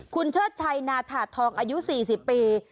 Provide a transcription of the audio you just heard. คุณเชิดชัยนาธาทองอายุ๔๐ปี